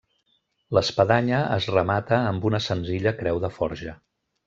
L'espadanya es remata amb una senzilla creu de forja.